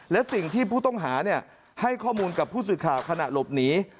และสิ่งที่ผู้ต้องหาให้ข้อมูลกับผู้สื่อข่าวขณะหลบหนี